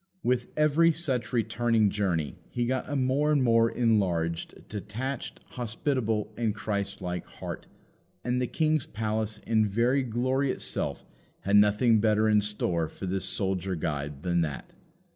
With every such returning journey he got a more and more enlarged, detached, hospitable, and Christ like heart, and the King's palace in very glory itself had nothing better in store for this soldier guide than that.